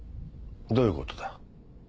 どういうことだ？